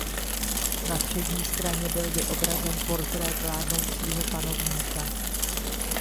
Na přední straně byl vyobrazen portrét vládnoucího panovníka.